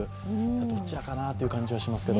どちらかかなという感じがしますけど。